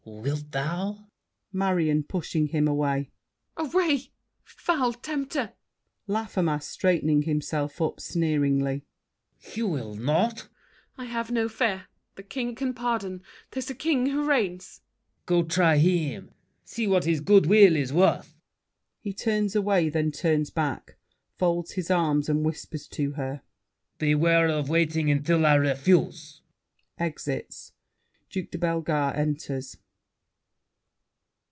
Wilt thou? MARION (pushing him away). Away! Foul tempter! LAFFEMAS (straightening himself up, sneeringly). You will not! MARION. I have no fear! The King can pardon: 'tis the King who reigns. LAFFEMAS. Go try him. See what his good will is worth! [He turns away, then turns back: folds his arms and whispers to her. Beware of waiting until I refuse! [Exits. Duke de Bellegarde enters.